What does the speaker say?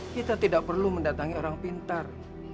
kita tidak perlu mendatangi orang pintar